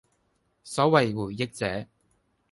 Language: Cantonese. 所謂回憶者，